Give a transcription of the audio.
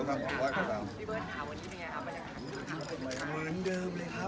ใจเย็นค่ะอย่าตะโกนนิดนึงนะคะ